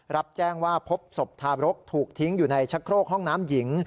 รับแจ้งว่าพบศพทารกถูกทิ้งอยู่ในชะโครกห้องน้ำหญิง